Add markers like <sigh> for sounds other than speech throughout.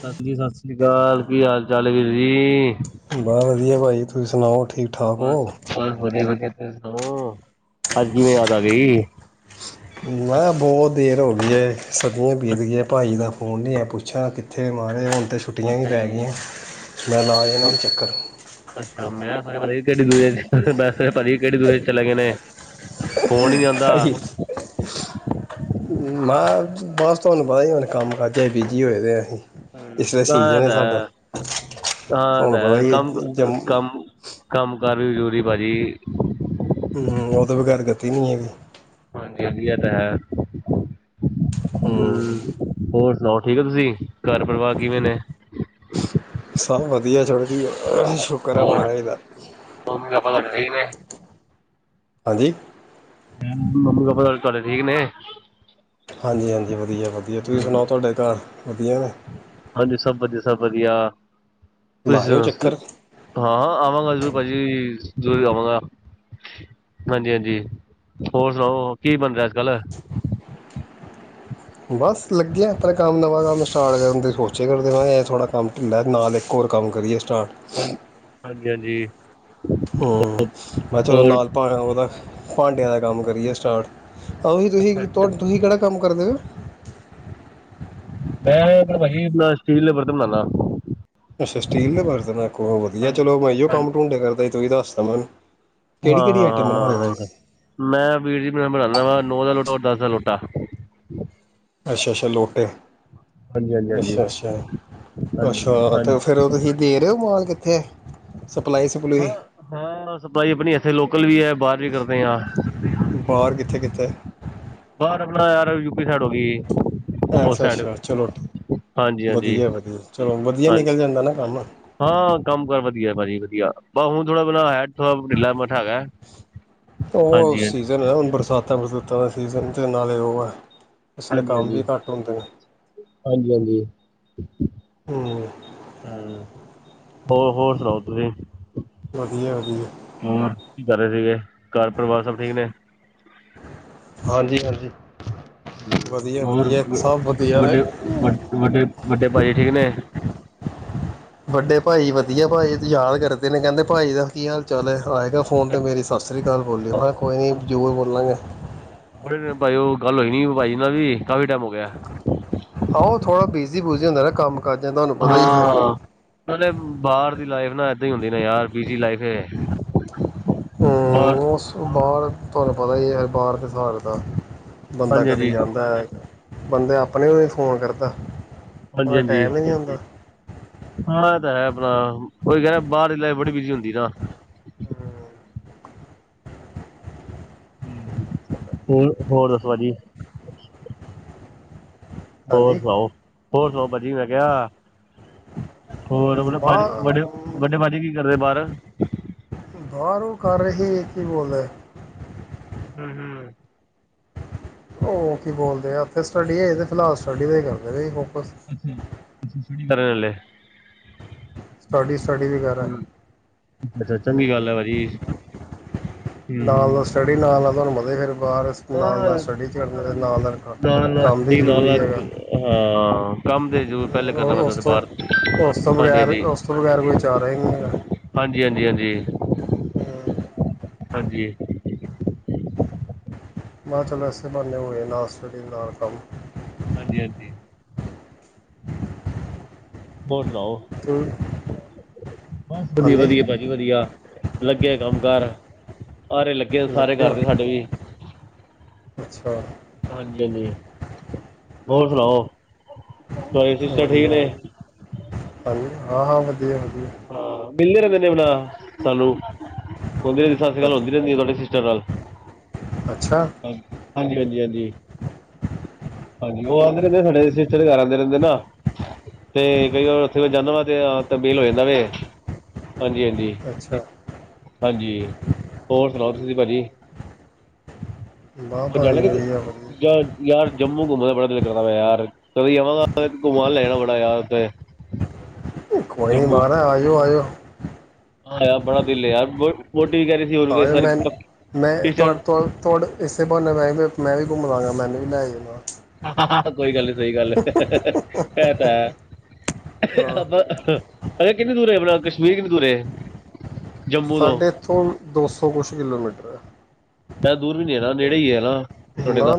ਸਤਿ ਜੀ ਸਤਿ ਸ੍ਰੀ ਅਕਾਲ, ਕੀ ਹਾਲ? <unintelligible> ਬਸ ਵਧੀਆ ਭਾਜੀ ਤੁਸੀਂ ਸੁਣਾਉ ਬਸ ਬਸ ਵਧੀਆ ਵਧੀਆ ਹਾਂ ਅੱਜ ਕਿਵੇਂ ਯਾਦ ਆ ਗਈ? ਮੈਂ ਕਿਹਾ ਬਹੁਤ ਦੇਰ ਹੋ ਗਏ ਹਾਂ ਸਦੀਆਂ ਬੀਤ ਗਿਆਏ ਭਾਈ ਦਾ ਫੋਨ ਨਹੀਂ ਹੈ ਪੁੱਛਿਆ ਕਿੱਥੇ ਮਾਰਜ ਹੁਣ? ਅਤੇ ਛੁੱਟੀਆਂ ਵੀ ਅੱਛਾ ਪੈ ਜੀ ਗਈਆਂ, ਮਾਰ ਲੋ ਜੀ ਚੱਕਰ। <unintelligible> ਚਲੇ ਗਏ ਨੇ, ਫੋਨ ਨੀਂ ਜਾਂਦਾ, ਮੈਂ ਬਸ, ਤੁਹਾਨੂੰ ਪਤਾ ਹੀ ਹੁਣ ਕੰਮ ਕਾਜਾ ਬਿਜ਼ੀ ਹੋਏ ਦੇ ਆ, ਹਾਂ ਐਚ ਇਹ ਵਾਰ ਸੀਜ਼ਨ ਹੈ ਤਾਂ ਸਾਡਾ, ਹਾਂ ਇਹ ਤਾਂ ਤੁਹਾਨੂੰ ਪਤਾ ਹੈ ਜੀ ਕੰਮ ਜੰਮੂ, ਕੰਮ ਕੰਮ ਕਾਰ ਵੀ ਜ਼ਰੂਰੀ ਭਾਜੀ, ਹੂੰ, ਉਹਦੇ ਬਗੈਰ ਗਤੀ ਨੀ ਹਾਂ ਗਈ, ਅਲੀਆ ਤਾਂ ਹੈ, ਹੂੰ <inaudible> ਹੋਰ ਠੀਕ ਹੋ ਤੁਸੀਂ ਘਰ ਪਰਿਵਾਰ ਕਿਵੇਂ ਨੇ? ਸਭ ਵਧੀਆ, ਸ਼ੁਕਰ ਹੈ ਮਹਾਰਾਜ ਦਾ, ਸਹੀ ਨੇ, ਹਾਂਜੀ, ਮੈਂ ਮੰਮੀ ਪਾਪਾ ਘਰ ਠੀਕ ਨੇ? ਹਾਂਜੀ-ਹਾਂਜੀ ਵਧੀਆ ਵਧੀਆ ਤੁਸੀਂ ਹੂੰ ਸੁਣਾਓ ਤੁਹਾਡੇ ਘਰ? ਵਧੀਆ ਵਾ, ਹਾਂਜੀ ਸਭ ਵਧੀਆ ਸਭ ਵਧੀਆ, <inaudible> ਲਾਇਓ ਚੱਕਰ ਭਾਜੀ ਜ਼ਰੂਰ ਆਵਾਂਗਾ, ਹਾਂਜੀ-ਹਾਂਜੀ ਹੋਰ ਸੁਣਾਓ ਕੀ ਬਣ ਰਿਹਾ ਅੱਜ-ਕੱਲ, ਬਸ ਲੱਗਿਆ ਆਪ ਕੰਮ ਨਵਾਂ ਕੰਮ ਸਟਾਰਟ ਕਰਨ ਤੇ ਸੋਚਿਆ ਕਰਦੇ ਮਾ ਥਹਾੜ੍ਹਾ ਕੰਮ ਢਿੱੱਲਲਾ ਨਾਲ ਇੱਕ ਹੋਰ ਕੰਮ ਕਰੀਏ, ਸਟਾਰਟ ਹਾਂ, ਹਾਂਜੀ, ਹਾਂਜੀ, ਹੂੰ, ਮੈਂ ਕਿਹਾ ਚਲੋ ਹੋਰ ਨਾਲ ਭਾਵਾਂ ਉਹਦਾ, ਭਾਂਡਿਆਂ ਦਾ ਕੰਮ ਕਰੀ ਸਟਾਰਟ? ਆਹੀ ਅੱਛਾ ਤੁਸੀਂ-ਤੁਸੀਂ ਕਿਹੜਾ, ਕੰਮ ਕਰਦੇ ਹੋ? ਬ ਬਹੀ ਨਾ ਸਟੀਲ ਦੇ ਬਰਤਨ ਬਣਾਨਾ, ਅੱਛਾ ਸਟੀਲ ਦੇ ਬਰਤਨ ਔ ਵਧੀਆ ਹਾਂਜੀ ਚਲੋ ਮੈਂ ਕੰਮ ਕਰਦਾ, ਤੁਸੀਂ ਦਸਤਾ ਮੈਨੂੰ, ਕਿਹੜੀ ਕਿਹੜੀ ਆਈਟਮ ਬਣਾ ਹਾਂ-ਹਾਂ-ਹਾਂ-ਹਾਂ, ਰਹੇ ਮੈਂ ਵੀਰ ਜੀ ਬਣਾਦਾ ਵਾ, ਦਸਲੂਟਾ, <unintelligible> ਅੱਛਾ-ਅੱਛਾ-ਅੱਛਾ ਹਾਂਜੀ ਹਾਂਜੀ ਹਾਂਜੀ ਤੇ ਹਾਂਜੀ ਫਿਰ ਤੁਸੀਂ ਦੇ ਰਹੇ ਮਾਲ? ਹੂੰ, ਹਾਂ ਸਪਾਈ ਆਪਣੀ ਇੱਥੇ ਲੋਕਲ ਵੀ ਹੈ ਬਾਹਰ ਵੀ ਕਰਦੇ ਹੈ ਬਾਹਰ ਕਿੱਥੇ ਕਿਤੇ ਬਾਹਰ ਆਪਣਾ ਯਾਰ ਯੂਪੀ ਸਾਈਡ ਹੋ ਗਈ ਉਸ ਅੱਛਾ ਸਾਈਡ ਅੱਛਾ ਚਲੋ ਹਾਂਜੀ ਹਾਂਜੀ ਵਧੀਆ ਵਧੀਆ ਚਲੋ ਵਧੀਆ ਹਾਂਜੀ ਨਿਕਲ ਜਾਂਦਾ ਨਾ ਕੰਮ ਹਾਂ ਕੰਮ ਕਾਰ ਵਧੀਆ ਭਾਜੀ ਵਧੀਆ ਬਸੁ ਥੋੜ੍ਹਾ ਬਣਾ ਹੈ ਥੋੜਾ ਢਿੱਲਾ ਮੱਠਾ ਹੈਗਾ। ਉਹ ਹਾਂਜੀ ਹਾਂਜੀ। ਸੀਜਨ ਹੈ ਹੁਣ ਬਰਸਾਤਾਂ ਬਰਸੂਤ ਖੇਤਾਂ ਦਾ ਸੀਜ਼ਨ ਚੋਣਾਂ ਲਗਾ ਹੂਆ ਹੈ ਇਸ ਲਈ ਹਾਂਜੀ ਕੰਮ ਹਾਂਜੀ ਵੀ ਘੱਟ ਹੁੰਦੇ ਨੇ ਹਾਂਜੀ ਹਾਂਜੀ ਹਮ ਹੂੰ ਹੋਰ ਹੋਰ ਸੁਣਾਓ ਤੁਸੀਂ ਵਧੀਆ ਵਧੀਆ ਕੀ ਕਰ ਰਹੇ ਸੀਗੇ ਘਰ ਪਰਿਵਾਰ ਸਭ ਠੀਕ ਨੇ ਹਾਂਜੀ ਹਾਂਜੀ ਹਮ ਵਧੀਆ ਹੋਰ ਵਧੀਆ ਸਭ ਵਧੀਆ ਨੇ ਵੱਡੇ ਵੱਡੇ ਵੱਡੇ ਭਾਜੀ ਠੀਕ ਨੇ ਵੱਡੇ ਭਾਈ ਵਧੀਆ ਭਾਈ ਯਾਦ ਕਰਦੇ ਨੇ ਕਹਿੰਦੇ ਭਾਈ ਦਾ ਕੀ ਹਾਲ ਚਾਲ ਹੈ ਆਏਗਾ ਫੋਨ ਤਾਂ ਮਰੀ ਸਤਿ ਸ਼੍ਰੀ ਅਕਾਲ ਬੋਲੀ ਮੈਂ ਕਿਹਾ ਕੋ ਨਹੀਂ ਜ਼ਰੂਰ ਬੋਲਾਂਗੇ ਬੜੇ ਦਿਨ ਭਾ ਉਹ ਗੱਲ ਹੋਈ ਨ ਭਾਜੀੀ ਨਾਲ ਵੀ ਕਾਫੀ ਟਾਈਮ ਹੋ ਗਿਆ ਆਹੋ ਥੋੜਾ ਬਿਜੀ ਬੋ ਹੁੰਦਾ ਨਾ ਕੰਮ ਕਾਜਾਂ ਤੁਹਾਨੂੰ ਪਤਾ ਹੀ ਹੈ ਹਾਂ ਨਾਲ਼ੇ ਬਾਹਰ ਦੀ ਲਾਈਫ ਨਾ ਏਦਾਂ ਹੀ ਹੁੰਦੀ ਨਾ ਯਾਰ ਬਿਜ਼ੀ ਲਾਈਫ ਐ ਉਸ ਤੋਂ ਬਾਅਦ ਤੁਹਾਨੂੰ ਪਤਾ ਹੀ ਬਾਹਰ ਤੇ ਸਾਰ ਦਾ ਬੰਦਾ ਹਾਂਜੀ ਕਦੇ ਹਾਂਜੀ ਜਾਂਦਾ ਹੈ ਬੰਦੇ ਆਪ ਆਪਣੇ ਨੂੰ ਫੋਨ ਕਰਦਾ ਹਾਂਜੀ ਉਹਦਾ ਹਾਂਜੀ ਟਾਈਮ ਹੀ ਨਹੀਂ ਹੁੰਦਾ ਹਾਂ ਇਹ ਤਾਂ ਹੈ ਆਪਣਾ ਓਹੀ ਬਾਹਰ ਦੀ ਲਾਈਫ ਬੜੀ ਬਿਜ਼ੀ ਹੁੰਦੀ ਨਾ ਹੂੰ ਹੋਰ ਹੋਰ ਦੱਸੋ ਭਾਜੀ ਹੋਰ ਹਾਂਜੀ ਸੁਣਾਓ ਹੋਰ ਸੁਣਾਓ ਬਾਜੀ ਮੈਂ ਕਿਹਾ ਹੋਰ ਮਤਲਬ ਭਾਜੀ ਬਾਹਰ ਵੱਡੇ ਵੱਡੇ ਭਾਜੀ ਕੀ ਕਰਦੇ ਬਾਹਰ <inaudible> ਬਾਹਰੋਂ ਕਰ ਰਹੇ ਕੀ ਬੋਲ <unintelligible> ਹਮ ਹਮ ਉਹ ਕੀ ਬੋਲਦੇ ਆਥੇ ਸਟੱਡੀ ਇਹ ਤੇ ਫਿਲਹਾਲ ਸਟੱਡੀ ਤੇ ਕਰਦੇ ਅੱਛਾ ਅੱਛਾ <unintelligible> ਸਟੱਡੀ ਸਟੱਡੀ ਵਗੈਰਾ ਅੱਛਾ ਚੰਗੀ ਹਮ ਗੱਲ ਹੈ ਭਾਜੀ ਨਾਲ ਦਾ ਸਟੱਡੀ ਨਾਲ ਦਾ ਤੁਹਾਨੂੰ ਮਤਾ ਫਿਰ ਬਾਹਰ ਨਾਲ ਹਾਂ ਨਾਲ ਸਟੱਡੀ ਕਰਨਾ ਅਤੇ ਨਾਲ ਨਾਲ ਨ ਕੰਮ ਵੀ ਨਦੀ ਨ ਜ਼ਰੂਰੀ ਲੱੱਖ ਹੈਗਾ ਹਾਂ ਕੰਮ ਦੇ ਉਸ ਤੋਂ ਉਸ ਤੋਂ ਹਾਂਜੀ ਬਗੈਰ ਉਸ ਤੋਂ ਬਗੈਰ ਕੋਈ ਚੱਲ ਰਿਹਾ ਨਹੀਂ ਹੈ ਜੀ ਹਾਂਜੀ ਹਾਂਜੀ ਹਾਂਜੀ ਮੈਂ ਚਲੋ ਇਸੇ ਬਣਨੇ ਹੋਏ ਨਾਲ ਸਟੱਡੀ ਨਾਲ ਕੰਮ ਹਾਂਜੀ ਹਾਂਜੀ ਬਹੁਤ ਸੁਣਾਓ ਕੰਮ ਬਸ ਵਧੀਆ ਹਾਂਜੀ ਵਧੀਆ ਭਾਜੀ ਵਧੀਆ ਲੱਗਿਆ ਕੰਮ ਘਰ ਹਾਰੇ ਲੱਗੇ ਸਾਰੇ ਕਰਦੇ ਸਾਡੇ ਵੀ ਅੱਛਾ ਹਾਂਜੀ ਹਾਂਜੀ ਹੋਰ ਸੁਣਾਓ ਤੁ ਸਟਰ ਠੀਕ ਵਧੀਆ ਨੇ ਹਾਂਜੀ ਹਾਂ ਹਾਂ ਵਧੀਆ ਵਧੀਆ ਹਾਂ ਮਿਲਦੇ ਰਹਿੰਦੇ ਨੇ ਆਪਣਾ ਸਾਨੂੰ ਅੱਗੇ ਦੀ ਸਤਿ ਸ਼੍ਰੀ ਅਕਾਲ ਹੁੰਦੀ ਅੱਛ- ਰਹਿੰਦੀ ਹੈ ਤੁਹਾਡੀ ਸਿਸਟਰ ਨਾਲ ਅੱਛਾ ਹਾਂਜੀ ਹਾਂਜੀ ਉਹ ਆਉਂਦੇ ਰਹਿੰਦੇ ਨੇ ਸਾਡੇ ਸਿਸਟਰ ਦ ਘ ਆਉਂਦੇ ਰਹਿੰਦੇ ਨਾ ਤੇ ਕਈ ਵਾਰ ਉੱਥੇ ਜਾਂਦਾ ਵਾ ਤੇ ਤ ਬੇਲ ਹੋ ਜਾਂ ਨਵੇ ਹਾਂਜੀ ਹਾਂਜੀ ਅੱਛਾ ਹਾਂਜੀ ਹੋਰ ਸੁਣਾਓ ਭਾਜੀ ਵਾਹ ਹੋ ਜਾਣ ਭਾਈ ਲੱਗੇ ਵਧੀਆ ਵਧੀਆ ਯਾਰ ਜੰਮੂ ਘੁੰਮਣ ਦਾ ਬੜਾ ਮੈਂ ਯਾਰ ਕਦੀ ਜਾਵਾਂਗਾ ਘੁੰਮਣ ਲੈਣਾ ਬੜਾ ਯਾਰ ਉਥੇ ਕੋਈ ਨੀ ਮਹਾਰਾ ਆਈ ਹੈ ਆਇਓ ਹਾਂ ਮੈਂ ਮੈਂੋ ਇਸੇ ਬਹੁ ਨ ਮੈਂ ਵੀ ਘੁੰਮ ਲਾਂਗਾ ਮੈਨੂੰ ਵੀ ਲੈ ਜਾ ਨਲ ਹ ਹ ਹ ਕੋਈ ਗੱਲ ਨੀ ਸਹੀ ਗੱਲ ਹੈ ਕੋਈ ਗੱਲ ਨਹੀਂ ਇਹ ਤੇ ਹਾਂ ਹੈ ਅ ਕਿੰਨੇ ਦੂਰ ਆਪਣਾ ਕਸ਼ਮੀਰ ਕਿੰਨਨੀ ਦੂਰ ਸਾਡੇ ਇੱਥੋਂ ਦੋ ਸੌ ਕੁਛ ਕਿਲੋਮੀਟਰ ਹੈ ਮੈਂ ਦੂਰ ਵੀ ਨੇਰਾ ਨੇੜੇ ਹੀ ਹੈ ਨਾ ਤੁਹਾਡੇ ਤਾਂ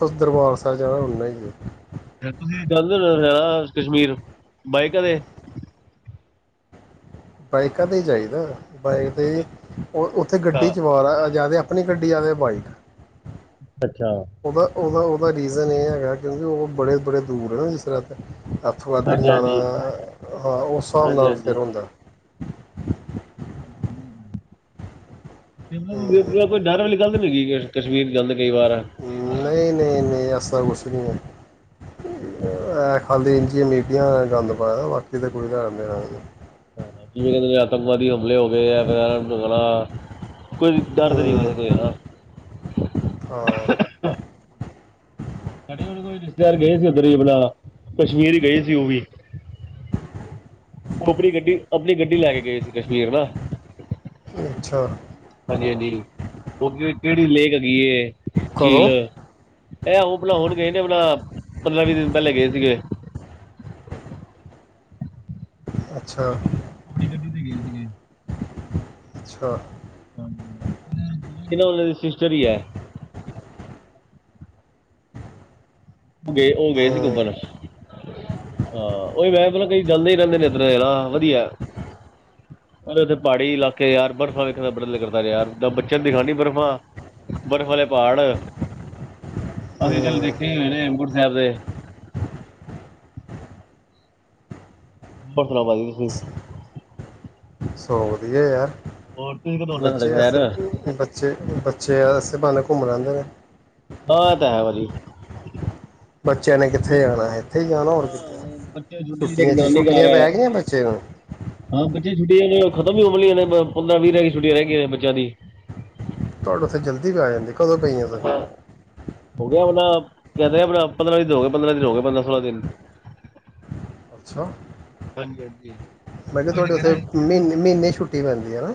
ਉਸ ਦਰਬਾਰ ਸਾਹਿਬ ਜਾਣਾ ਹੇ ਹੀ ਗ ਤੇ ਤੁਸੀਂ ਗੱਲ ਕਸ਼ਮੀਰ ਬਾਈਕ ਦੇ ਬਾਈਕਾਂ ਤੇ ਹੀ ਚਾਹੀਦਾ ਬਾਈਕ ਅੱਛਾ 'ਤੇ ਉੱਥੇ ਅੱਛਾ ਗੱਡੀ ਚਵਾ ਜਾਂਦਾ ਆਪਣੀ ਗੱਡੀ ਵਾਲ ਅਤੇ ਬਾਈਕ ਅੱਛਾ ਉਹਦਾ ਉਹਦਾ ਉਹਦਾ ਰੀਜ਼ਨ ਇਹ ਏ। ਕਿਉਂਕਿ ਉਹ ਬੜੇ ਬੜੇ ਦੂਰ ਹੈ ਨਾ ਇਸ ਤਰ ਤੇ ਇੱਥੋਂ ਅਧਧਰ ਜਾਣਾ ਹਾਂਜੀ ਹਾਂ ਉਸ ਹਿਸਾਬ ਹਾਂਜੀ ਨਾਲ ਫਿਰ ਹਾਂਜੀ ਹੁੰਦਾ। <inaudible> ਹਮ, ਹੂ ਕੋਈ ਗੱਲ ਕਸ਼ਮੀਰ ਗੱਲ ਨਹੀਂ ਨਹੀਂ ਨਹੀਂ ਅਸਾਂ ਮੁਸ਼ਕਿਲ <unintelligible> <unintelligible> ਖਾਲੀ ਇੰਝੀਆਂ ਮੀਬੀਆਂ ਗੰਦ ਪਾਇਆ ਦਾ ਬਾਕੀ ਤਾਂ ਕੁੜੀ ਤਾਂ ਜਿਵੇਂ ਕਿਹਦੇ ਆਤੰਕਵਾਦੀ ਹਮਲੇ ਹੋ ਗਏ ਆ ਫਿਰਣਾ ਕੋਈ ਡਰ ਨੀ ਹਮ, ਕਿਸੀ ਚ ਹਾਂ ਸਾਡੇ ਕੋਈ ਰਿਸ਼ਤੇਦਾਰ ਗਏ ਸੀ ਉਧਰ ਹੀ ਆਪਣਾ ਕਸ਼ਮੀਰ ਹੀ ਗਏ ਸੀ ਉਹ ਵੀ ਆਪਣੀ ਗੱਡੀ ਆਪਣੀ ਗੱਡੀ ਲੈ ਕੇ ਗਏ ਸੀ ਕਸ਼ਮੀਰ ਤਾ ਅੱਛਾ ਅੱਗ ਨੀਰੀ ਕਿਹੜੀ ਲੇਕ ਹੈਗੀ। ਕੀ ਏ ਝੀਲ ਕਦੋਂ ਇਹ ਉਹ ਬਣਾਉਣਗੇ ਇਹ ਆਪਣਾ ਪੰਦਰਾਂ ਵੀਹ ਦਿਨ ਪਹਿਲੇ ਗਏ ਸੀਗੇ। ਅੱਛਾ ਅੱਛਾ। ਹ ਉਹਨਾਂ ਦੇ ਸਿਸਟਰ ਹੀ ਹੈ। ਦਲੇਰ ਉਹ ਗਏ ਸੀ, ਹੂੰ ਘੁਮਣ ਹਾਂ ਉਹੀ ਮੈਂ ਬੋਲਾਂ ਕਈ ਜਾਂਦੇ ਹੀ ਰਹਿੰਦੇ ਨੇ ਇਧਰਣਾ ਯਾਰਾਂ ਹਾਂ ਵਧੀਆ ਉੱਥੇ ਪਹਾੜੀ ਇਲਾਕੇ ਯਾਰ ਬਰਫ਼ਾਂ ਵੇਖਣ ਦਾ ਬੜ ਨ ਕਰਦਾ ਯਾਰ ਬੱਚਿਆਂ ਦਿਖਾਣੀ ਬਰਫ਼ਾਂ ਬਰਫ਼ ਵਾਲੇ ਪਹਾੜ ਅਸੀਂ ਕੱਲ ਹੂੰ ਵੇਖਕੇ ਆ ਕੀ ਕੁੱਝ ਚਲ ਰਿਹਾ। <unintelligible> ਸੌ ਵਧੀਆ ਯਾਰ ਹੋਰ ਤੁਸੀਂ ਕਦੋਂ ਆਉਣਾ? ਸਾਡਾ ਬੱਚੇ ਸ਼ਹਿਰ ਅਸ ਹਾਂ ਬੱਚੇ ਬੱਚੇ ਅਸੇ ਬ ਘੁੰਮਣ ਆਦਾ ਆ ਤਾਂ ਹੈ ਭਾਜੀ। ਬੱਚਿਆਂ ਨੇ ਕਿੱਥੇ ਜਾਣਾ ਇੱਥੇ ਹੀ ਜਾਣਾ ਹੋਰ ਕਿੱਥੇ ਹਾਂ ਬੱਚੇ ਛੁਟੀ ਜ ਇੱਕ ਛੁੱਟੀਆਂ 'ਚ ਨਾਨੀ ਘਰ ਛੁੱਟੀਆਂ ਆਏ ਪੈ ਗਈਆਂ ਬੱਚੇ ਨੂੰ ਹਾਂ ਬੱਚੇ ਛੁਟੀ ਖਤਮ ਹੋਣ ਵਾਲੀਆਂ ਨੇ ਪੰਦਰਾਂ ਵੀਹ ਰਹਿ ਛੁੱਟੀਆਂ ਰਹਿ ਗਈਆਂ ਨੇ ਬੱਚਿਆਂ ਦੀ ਤੁਹਾਡੇ ਉੱਥੇ ਜਲਦੀ ਪੈ ਜਾਂਦੀ। ਕਦੋਂ ਪਈਆਂ ਸਰ ਹੋ ਗਿਆ ਨਾ ਕਹਿੰਦੇ ਆਪ ਪੰਦਰਾਂ ਦਿਨ ਹੋ ਗਏ ਪੰਦਰਾਂ ਦਿਨ ਹੋ ਗਏ ਪੰਦਰਾਂ ਸੋਲਾਂ ਦਿਨ ਅੱਛਾ। ਹਾਂਜੀ ਹਾਂਜੀ ਮੈਂ ਕਿਹਾ ਤੁਹਾਡੇ ਉੱਥੇ ਮਹੀਨੇ-ਮਹੀਨੇ ਛੁੱਟੀ ਪੈਂਦੀ ਹੈ ਨਾ।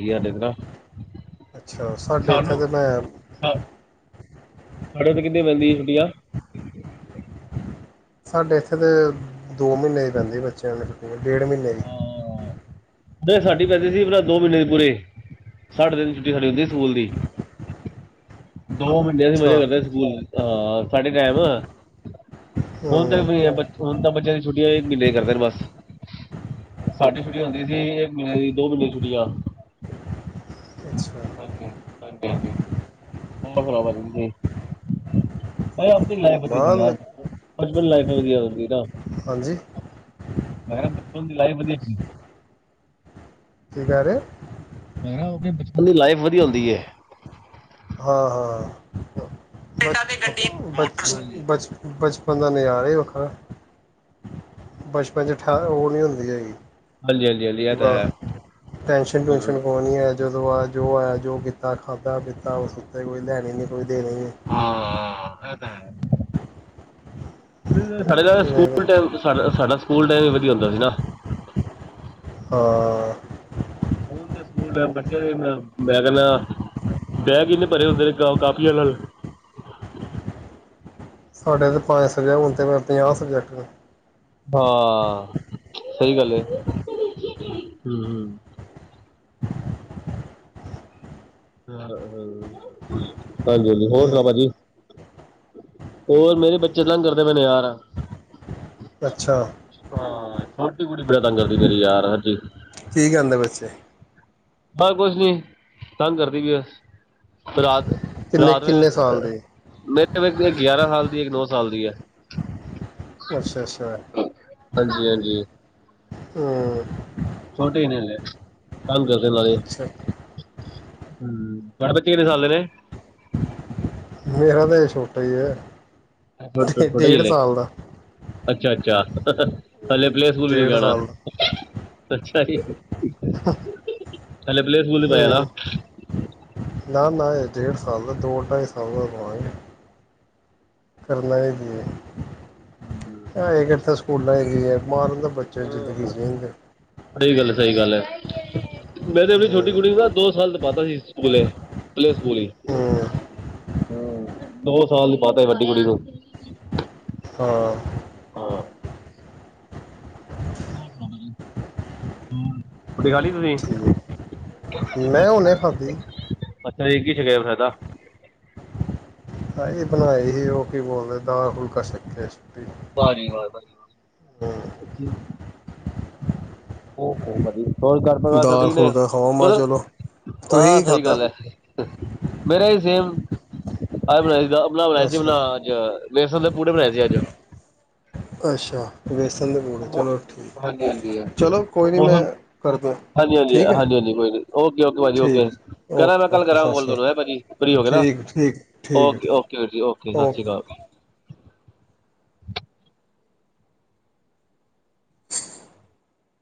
<unintelligible> ਅੱਛਾ ਸਾਡੇ ਇੱਥੇ ਸਾਨੂੰ ਤਾਂ ਮੈਂ ਸਾਡੇ ਤੇ ਕਿੰਨੀ ਪੈਂਦੀ, ਇੰਡੀਆ, ਸਾਡੇ ਇੱਥੇ ਤਾਂ ਦੋ ਮਹੀਨੇ ਦੀ ਪੈਂਦੀ ਬੱਚਿਆਂ ਨੂੰ ਡੇਢ ਮਹੀਨੇ ਦੀ ਹਾਂ ਨਹੀਂ ਸਾਡੀ ਪੈਂਦੀ ਸੀ ਪਹਿਲਾ ਦੋ ਮਹੀਨੇ ਦੀ, ਪੂਰੇ ਸਾਡੇ ਤਿੰਨ ਛੁੱਟੀ ਹੋਣੀ ਹੁੰਦੀ ਸਕੂਲ ਦੀ, ਦੋ ਮਹੀਨਿਆਂ <unintelligible> ਮਜ਼ੇ ਅੱਛਾ ਕਰਦੇ ਸਕੂਲ, ਹਾਂ, ਸਾਡੇ ਟਾਈਮ ਆ ਹੁਣ ਤਾਂ ਹੂੰ ਹੁਣ ਤਾਂ ਬੱਚਿਆਂ ਦੀ ਛੁੱਟੀ ਇੱਕ ਮਹੀਨੇ ਦੀਆ ਕਰ ਦੇਣ ਬਸ, ਸਾਡੀ ਛੁੱਟੀ ਹੁੰਦੀ ਸੀ ਇੱਕ ਮਹੀਨੇ ਦੀ ਦੋ ਮਹੀਨੇ ਦੀ ਛੁੱਟੀ ਆ। ਅੱਛਾ ਹਾਂਜੀ-ਹਾਂਜੀ-ਹਾਂਜੀ, <unintelligible> ਲਾਈਫ ਵਧੀਆ ਯਾਰ ਮਾਲ ਬਚਪਨ ਦੀ ਲਾਈਫ ਵਧੀਆ, ਹਾਂਜੀ <unintelligible> ਕੀ ਕਹਿ ਰੇ ਮੈ ਕਿਹਾ ਉਥੇ ਬਚਪਨ ਦੀ ਲਾਈਫ ਵਧੀਆ ਹੁੰਦੀ ਹੈ। ਹਾਂ-ਹਾਂ, ਬ ਬ ਬ ਬ ਬੰਦਾ ਨਜ਼ਾਰਾ ਹੀ ਵੱਖਰਾ, ਬਚਪਨ 'ਚ ਠ ਉਹ ਨਹੀਂ ਹੁੰਦੀ ਹੈਗੀ। ਹਾਂਜੀ ਹਾਂਜੀ ਹਾਂਜੀ ਇਹ ਤਾਂ ਹੈ <unintelligible> ਟੈਸ਼ਨ ਟੂਨਸ਼ਨ ਕੋ ਨੀ ਹੈ। ਜਦੋਂ ਆ ਜੋ ਆਇਆ ਜੋ ਕੀਤਾ ਖਾਧਾ ਪੀਤਾ ਉਸ ਉੱਤੇ ਕੋਈ ਲੈਣੀ ਨੀ ਕੋਈ। <unintelligible> ਸਾਡੇ ਨਹੀਂ ਮੇਰੇ- ਸਕੂਲ ਟਾਈਮ ਸਾਡਾ ਸਕੂਲ ਟਾਈਮ ਵੀ ਵਧੀਆ ਹੁੰਦਾ ਸੀ ਨਾ। ਹਾਂ, ਹੁਣ ਸਕੂਲ ਮੈਂ ਕਹਿੰਦਾ ਬੈਗ ਕਿੰਨੇ ਭਰੇ ਹੁੰਦੇ ਨੇ ਕਾਪੀਆਂ ਨਾਲ ਸਾਡੇ ਤਾਂ ਪੰਜ ਸਬਜੈਕਟ ਹੁਣ ਤਾਂ ਮ ਪੰਜਾਹ ਸਬਜੈਕਟ ਨੇ। ਹਾਂ ਸਹੀ ਗੱਲ ਹੈ ਹੂੰ, ਹਾਂਜੀ-ਹਾਂਜੀ ਹੋਰ ਹੂੰ, ਸੁਣਾਓ ਭਾਜੀ ਹੋਰ ਮੇਰੇ ਬੱਚੇ ਤੰਗ ਕਰਦੇ ਪਏ ਨੇ ਯਾਰ। ਅੱਛਾ, ਹਾਂ ਛੋਟੀ ਕੁੜੀ ਬੜਾ ਤੰਗ ਕਰਦੀ ਮੇਰੀ ਯਾਰ ਹਾਂਜੀ, ਕੀ ਕਹਿੰਦੇ ਪਏ ਸੀ, ਹਾਂ ਕੁਛ ਨੀ ਤੰਗ ਕਰਦੀ ਪਈ ਬਸ, ਕਿੰਨੇ ਰਾਤ-ਰਾਤ ਵੇ ਕਿੰਨੇ ਸਾਲ ਦੇ ਮੇਰੇ ਗਿਆਰਾਂ ਸਾਲ ਦੀ ਇੱਕ ਨੌ ਸਾਲ ਦੀ ਹੈ ਅੱਛਾ ਅੱਛਾ ਹਾਂਜੀ-ਹਾਂਜੀ। ਹੂੰ ਛੋਟੇ ਹੀ ਨੇ ਹਾਲੇ ਤੰਗ ਕਰਦੇ <unintelligible> ਹੂੰ ਅੱਛਾ ਤੁਹਾਡੇ ਬੱਚੇ ਕਿੰਨੇ ਸਾਲ ਦੇ ਨੇ ਮੇਰਾ ਤਾ ਏ ਛੋਟਾ ਈ ਐ। <unintelligible> ਅੱਛਾ, ਅੱਛਾ ਹਲੇ ਪਲੇਅ ਸਕੂਲ ਵੀ ਡੇਢ ਜਾਣਾ। <inaudible> ਸਾਲ ਦਾ ਹਲੇ ਪਲੇ ਸਕੂਲ ਚ ਪਾਏਆ ਨਾ ਹੂੰ, ਨਾ ਨਾ ਇਹ ਡੇਢ ਸਾਲ ਦਾ ਦੋ ਢਾਈ ਸਾਲ ਦਾ <unintelligible> <unintelligible> <inaudible> ਬੱਚੇ ਜਿੰਦਗੀ ਹੂੰ, <inaudible> ਸਹੀ ਗੱਲ ਸਹੀ ਗੱਲ ਹੈ। ਮੇਰੇ ਆਪਣੀ ਹੂੰ ਛੋਟੀ ਕੁੜੀ ਦਾ ਦੋ ਸਾਲ ਦਾ ਪਾਤਾ ਸੀ ਸਕੂਲ ਐ ਪਲੇਅ ਸਕੂਲ ਈ, ਹੂੰ ਦੋ ਸਾਲ ਨੂੰ ਪਾਤਾ ਸੀ ਵੱਡੀ ਕੁੜੀ ਨੂੰ ਹਾਂ। ਹਾ। ਰੋਟੀ ਖਾ ਲੀ ਤੁਸੀਂ। ਠੀਕ ਮੈਂ ਹੁਣੇ ਖਾਧੀ ਅੱਛਾ ਜੀ ਕੀ ਚਾਹੀਦਾ ਹੁਣ ਹੈਦਾ। ਆਹੀ ਬਣਾਏ ਸੀ ਉਹ ਕੀ ਬੋਲਦੇ ਦਾਲ ਫੁਲਕਾ ਛੱਕਿਆ ਸੀ ਤੇ ਧਾਰੀਵਾਲ ਬਾਈ। ਓ ਹੋ ਵਧੀਆ। ਹੋਰ ਘਰ ਪਰਿਵਾਰ ਸਭ ਦਾਲ ਠੀਕ ਨੇ, ਫੁਲਕਾ ਖਾਵਾਂ ਮੈਂ ਚਲੋ ਹਾਂ ਤੁਸੀਂ ਕੀ ਸਹੀ ਖਾਧਾ ਗੱਲ ਹੈ, ਮੇਰਾ ਹੀ ਸੇਮ ਐ ਬਣੇਗਾ ਲਾ ਬਣਾਏ ਸੀ ਅੱਛਾ ਓਹਨਾ ਅੱਜ ਵੇਸਣ ਦੇ ਪੂੜੇ ਬਣਾਏ ਸੀ ਅੱਜ ਅੱਛਾ ਬੇਸਣ ਚਲੋ ਠੀਕ ਚਲੋ ਕੋਈ ਨਹੀਂ ਮੈਂ ਕਰਦਾ ਹਾਂਜੀ ਹਾਂਜੀ ਠੀਕ ਹੈ। ਹਾਂਜੀ ਹਾਂਜੀ ਕੋਈ ਨੀ ਓਕੇ, ਓਕੇ ਭਾਜੀ, ਓਕੇ ਠੀਕ ਕਰਾਂ ਗਾ ਓਕੇ ਕੱਲ ਓਕੇ ਕਰਾਂ ਸਤਿ ਕੋਲ ਤੁਹਾਨੂੰ ਹੈ, ਭਾਜੀ ਫਰੀ ਹੋ ਕੇ ਨਾ, ਸ਼੍ਰੀ ਅਕਾਲ ਠੀਕ ਠੀਕ ਠੀਕ ਹੈ ਓਕੇ, ਠੀਕ ਓਕੇ ਵੀਰ ਜੀ, ਓਕੇ, ਸਤਿ ਸ਼੍ਰੀ ਅਕਾਲ।